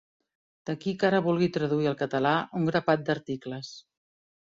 D'aquí que ara vulgui traduir al català un grapat d'articles.